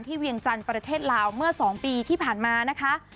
เวียงจันทร์ประเทศลาวเมื่อ๒ปีที่ผ่านมานะคะ